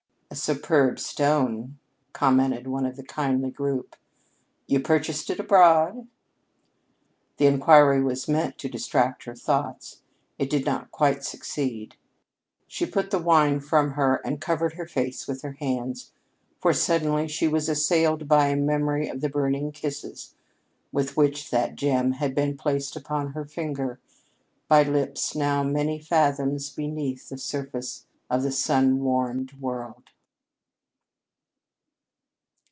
"A superb stone," commented one of the kindly group. "You purchased it abroad?" The inquiry was meant to distract her thoughts. It did not quite succeed. She put the wine from her and covered her face with her hands, for suddenly she was assailed by a memory of the burning kisses with which that gem had been placed upon her finger by lips now many fathoms beneath the surface of the sun warmed world.